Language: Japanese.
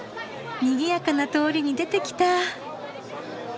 にぎやかな通りに出てきた。